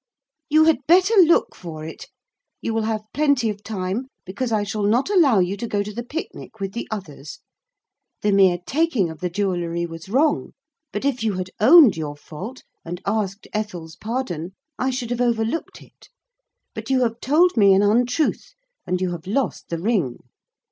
'You had better look for it. You will have plenty of time, because I shall not allow you to go to the picnic with the others. The mere taking of the jewelry was wrong, but if you had owned your fault and asked Ethel's pardon, I should have overlooked it. But you have told me an untruth and you have lost the ring.